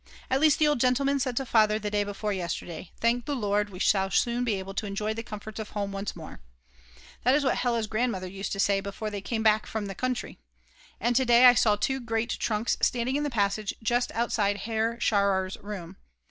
At least the old gentleman said to Father the day before yesterday: "Thank the Lord, we shall soon be able to enjoy the comforts of home once more." That is what Hella's grandmother used to say before they came back from the country. And to day I saw two great trunks standing in the passage just outside Herr Scharrer's room.